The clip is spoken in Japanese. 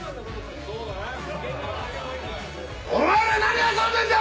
お前ら何遊んでんだ‼